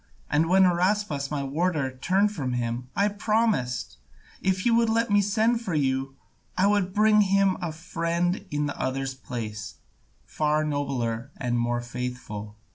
And when Araspas, my warder, turned from him, I promised, if he would let me send for you, I would bring him a friend in the other's place, far nobler and more faithful."